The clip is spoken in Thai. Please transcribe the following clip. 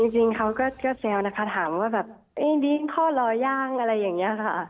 จริงเขาก็แซวนะคะถามว่าแบบเอ๊ะดิ๊งพ่อลอย่างอะไรอย่างเงี้ยค่ะ